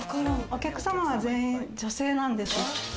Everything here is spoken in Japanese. お客様が全員女性なんです。